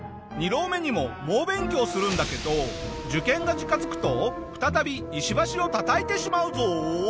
２浪目にも猛勉強するんだけど受験が近づくと再び石橋を叩いてしまうぞ。